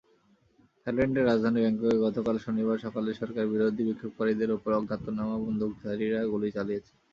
থাইল্যান্ডের রাজধানী ব্যাংককে গতকাল শনিবার সকালে সরকারবিরোধী বিক্ষোভকারীদের ওপর অজ্ঞাতনামা বন্দুকধারীরা গুলি চালিয়েছে।